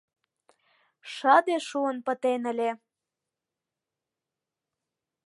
Шыде шуын пытен ыле.